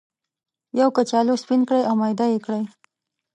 یو کچالو سپین کړئ او میده یې کړئ.